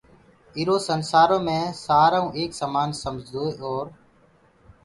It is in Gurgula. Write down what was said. ايرو سنسآرو مي سآرآئو ايڪ سمآن سمجدوئي اور